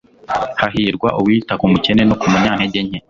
hahirwa uwita ku mukene no ku munyantege nke